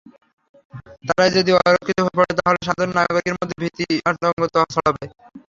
তারাই যদি অরক্ষিত হয়ে পড়ে, তাহলে সাধারণ নাগরিকের মধ্যে ভীতি-আতঙ্ক ছড়াবে।